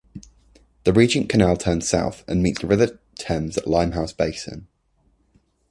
The Regent canal turns south, and meets the River Thames at Limehouse Basin.